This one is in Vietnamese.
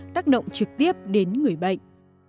tác động trực tiếp để điều trị bệnh